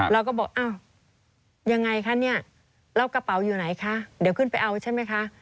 เราก็บอกอ้าวยังไงคะเนี่ยแล้วกระเป๋าอยู่ไหนคะเดี๋ยวขึ้นไปเอาใช่ไหมคะ